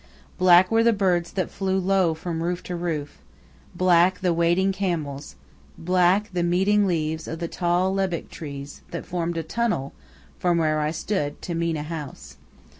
Black were the birds that flew low from roof to roof, black the wading camels, black the meeting leaves of the tall lebbek trees that formed a tunnel from where I stood to Mena House.